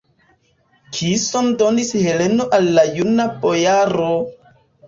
Kison donis Heleno al la juna bojaro!